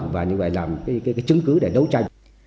và như vậy làm cái chứng cứ để đấu tranh